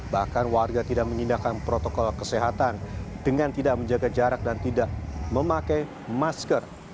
bahkan warga tidak menyindakkan protokol kesehatan dengan tidak menjaga jarak dan tidak memakai masker